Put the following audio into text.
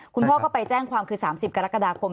คุณพ่อก็ไปแจ้งความคือ๓๐กรกฎาคม